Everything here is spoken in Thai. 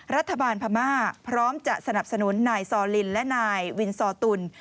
พม่าพร้อมจะสนับสนุนนายซอลินและนายวินซอตุล